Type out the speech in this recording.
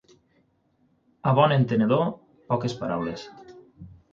A bon entenedor, poques paraules.